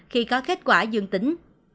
khi có kết quả dương tính